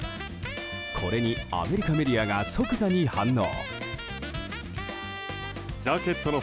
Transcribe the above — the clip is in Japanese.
これにアメリカメディアが即座に反応。